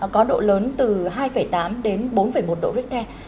có độ lớn từ hai tám đến bốn một độ richter